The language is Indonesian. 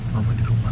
mama di rumah